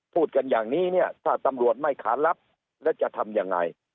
พูดกันอย่างนี้เนี่ยถ้าตำรวจไม่ขารับแล้วจะทำยังไง